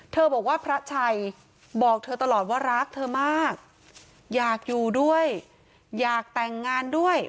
บอกว่าพระชัยบอกเธอตลอดว่ารักเธอมากอยากอยู่ด้วยอยากแต่งงานด้วย